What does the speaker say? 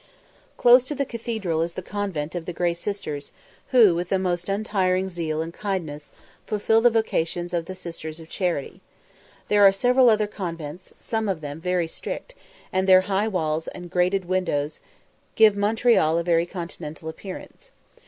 Close to the cathedral is the convent of the Grey Sisters, who, with the most untiring zeal and kindness, fulfil the vocations of the Sisters of Charity. There are several other convents, some of them very strict; and their high walls and grated windows give Montreal a very Continental appearance.